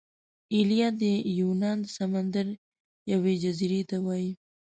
ایلیا د یونان د سمندر یوې جزیرې ته وايي.